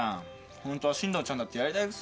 ホントは進藤ちゃんだってやりたいくせにさ。